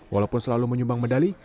walaupun selalu menyumbang medali